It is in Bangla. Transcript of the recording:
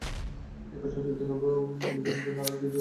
একই সঙ্গে প্রতিটি অভিযানের জন্য আরও দুই হাজার রুপি বোনাস পান।